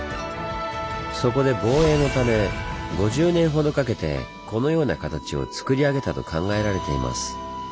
そこで防衛のため５０年ほどかけてこのような形をつくり上げたと考えられています。